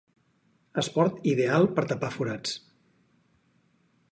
Esport ideal per tapar forats.